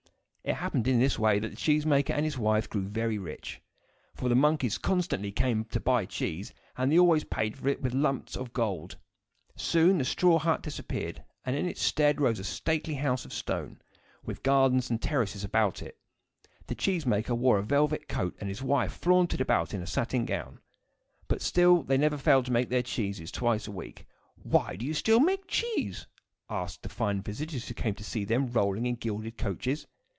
It happened, in this way, that the cheese maker and his wife grew very rich; for the monkeys constantly came to buy cheese, and they always paid for it with heavy lumps of gold. Soon the straw hut disappeared, and in its stead rose a stately house of stone, with gardens and terraces about it. The cheese maker wore a velvet coat, and his wife flaunted about in a satin gown; but still they never failed to make their cheeses twice a week. "Why do you still make cheese?" asked the fine visitors who came to see them, rolling in gilded coaches.